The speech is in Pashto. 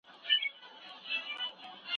خیر محمد په خپل تلیفون کې د نوي زنګ انتظار کاوه.